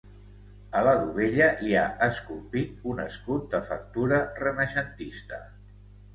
A la dovella hi ha esculpit un escut de factura renaixentista.